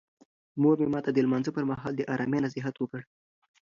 مور مې ماته د لمانځه پر مهال د آرامۍ نصیحت وکړ.